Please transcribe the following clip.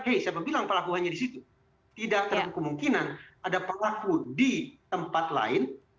hei siapa bilang pelaku hanya di situ tidak kemungkinan ada pelaku di tempat lain